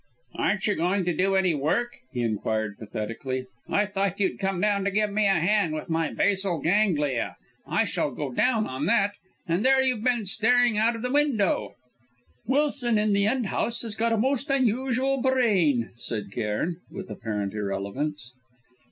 "Aren't you going to do any work?" he inquired pathetically. "I thought you'd come to give me a hand with my basal ganglia. I shall go down on that; and there you've been stuck staring out of the window!" "Wilson, in the end house, has got a most unusual brain," said Cairn, with apparent irrelevance.